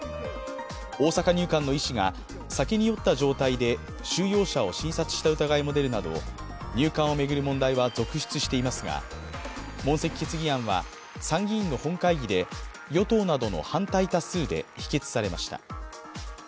大阪入管の医師が酒に酔った状態で収容者を診察した疑いも出るなど入管を巡る問題は続出していますが問責決議案は参議院の本会議で与党などの反対多数で否決されました。